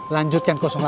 lanjut yang delapan